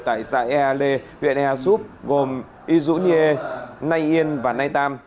tại xã ea lê huyện ea súp gồm y dũ nhiê nay yên và nay tam